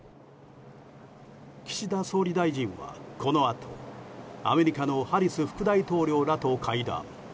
岸田総理大臣は、このあとアメリカのハリス副大統領らと会談。